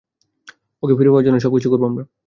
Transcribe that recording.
ওকে ফিরে পাওয়ার জন্য সবকিছুই করবো আমরা!